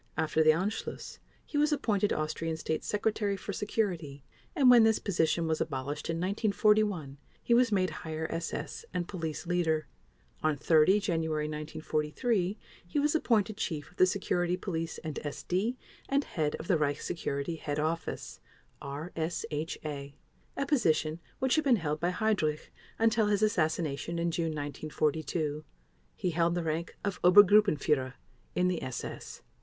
After the Anschluss he was appointed Austrian State Secretary for Security and when this position was abolished in 1941 he was made Higher SS and Police Leader. On 30 January 1943 he was appointed Chief of the Security Police and SD and Head of the Reich Security Head Office (RSHA), a position which had been held by Heydrich until his assassination in June 1942. He held the rank of Obergruppenführer in the SS.